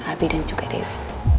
abi dan juga dewi